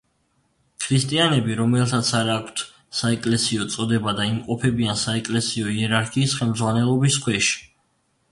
ქრისტიანები, რომელთაც არ აქვთ საეკლესიო წოდება და იმყოფებიან საეკლესიო იერარქიის ხელმძღვანელობის ქვეშ.